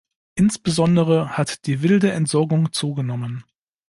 Insbesondere hat die wilde Entsorgung zugenommen.